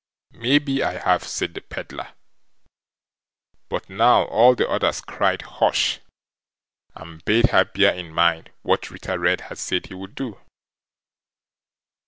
"Maybe I have", said the Pedlar. But now all the others cried "Hush", and bade her bear in mind what Ritter Red had said he would do.